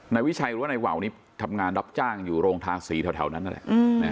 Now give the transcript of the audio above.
ในวิชัยรู้ว่าในวัวนี้ทำงานรับจ้างอยู่โรงทางศรีแถวนั้นแหละ